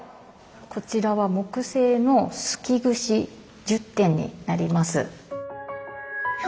こちらは木製のすきぐし１０点になります。